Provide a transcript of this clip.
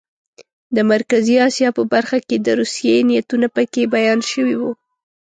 د مرکزي اسیا په برخه کې د روسیې نیتونه پکې بیان شوي وو.